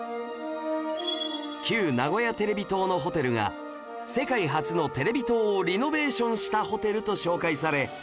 旧名古屋テレビ塔のホテルが世界初のテレビ塔をリノベーションしたホテルと紹介され